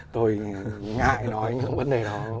tôi ngại nói những vấn đề đó